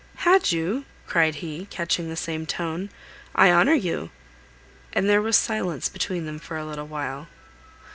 "Had you?" cried he, catching the same tone; "I honour you!" And there was silence between them for a little while.